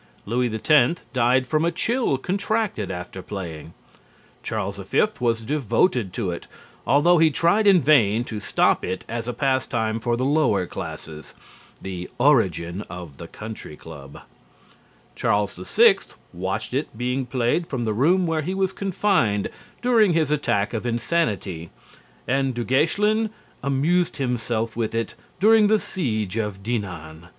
Louis X died from a chill contracted after playing. Charles V was devoted to it, although he tried in vain to stop it as a pastime for the lower classes (the origin of the country club); Charles VI watched it being played from the room where he was confined during his attack of insanity and Du Guesclin amused himself with it during the siege of Dinan.